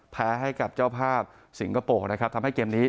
แพ้ให้กับเจ้าภาพสิงคโปร์นะครับทำให้เกมนี้